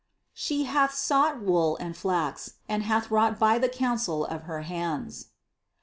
"She hath sought wool and flax, and hath wrought by the counsel of her hands."